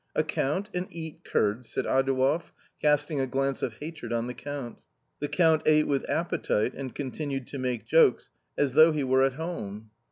" A Count, and eat curds !" said Adouev, casting a glance of hatred on the Count. The Count ate with appetite and continued to make jokes, as though he were at home.